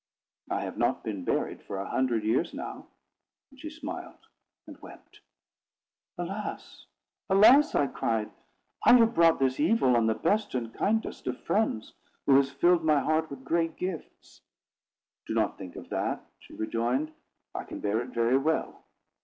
I have not been buried for a hundred years now." And she smiled and wept. "Alas! alas!" I cried. "I have brought this evil on the best and kindest of friends, who has filled my heart with great gifts." "Do not think of that," she rejoined. "I can bear it very well.